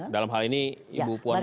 dalam hal ini ibu puan mahara